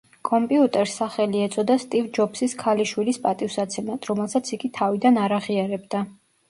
კომპიუტერს სახელი ეწოდა სტივ ჯობსის ქალიშვილის პატივსაცემად, რომელსაც იგი თავიდან არ აღიარებდა.